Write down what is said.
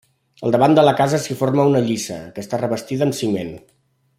Al davant de la casa s'hi forma una lliça, que està revestida amb ciment.